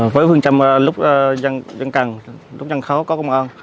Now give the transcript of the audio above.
với phương châm lúc dân cần lúc dân khó có công an